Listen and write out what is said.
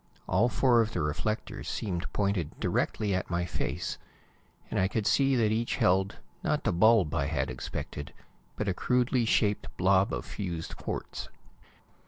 All four of the reflectors seemed pointed directly at my face, and I could see that each held, not the bulb I had expected, but a crudely shaped blob of fused quartz.